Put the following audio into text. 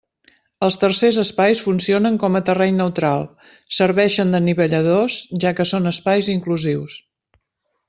Els tercers espais funcionen com a terreny neutral, serveixen d'anivelladors, ja que són espais inclusius.